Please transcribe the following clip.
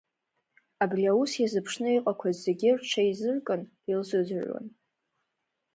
Абри аус иазыԥшны иҟақәаз зегьы рҽеизыркын, илзыӡырҩуан.